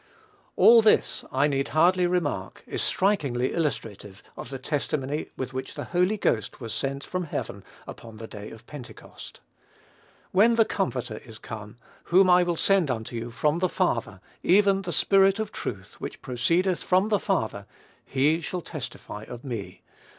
All this, I need hardly remark, is strikingly illustrative of the testimony with which the Holy Ghost was sent from heaven upon the day of Pentecost. "When the Comforter is come, whom I will send unto you from the Father, even the Spirit of truth, which proceedeth from the Father, he shall testify of me."